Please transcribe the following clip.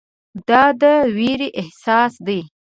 دا د ویرې احساس دی.